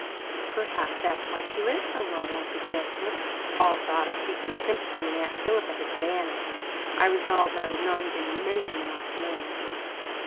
"Perhaps that's why she lived so long," I suggested. All thought of seeking sympathy in Aunt Philippa had vanished. I resolved I would not even mention Mark's name.